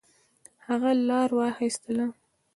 هغه لار واخیستله.